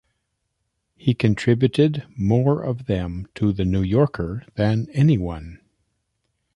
He contributed more of them to The New Yorker than anyone.